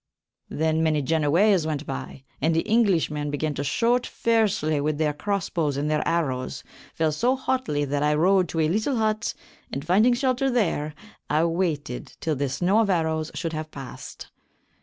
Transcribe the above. Then many Genowayse went by, and the Englysshmen began to shote feersly with their crossbowes and their arowes fell so hotly that I rode to a lytell hut, and finding shelter there I wayted till the snowe of arowes should have passed.